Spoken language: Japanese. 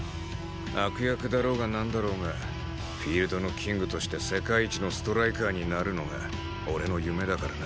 悪役だろうがなんだろうがフィールドのキングとして世界一のストライカーになるのが俺の夢だからな。